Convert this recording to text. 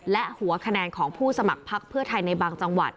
และหัวคะแนนของผู้สมัครพักเพื่อไทยในบางจังหวัด